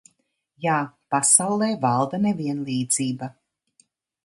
Jā, pasaulē valda nevienlīdzība.